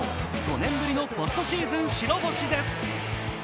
５年ぶりのポストシーズン白星です。